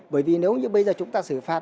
bởi vì nếu như bây giờ chúng ta xử phạt